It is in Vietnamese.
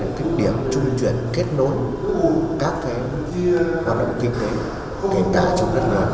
đấy là kích điểm trung chuyển kết nối các thế hoạt động kinh tế kinh tế trong đất nước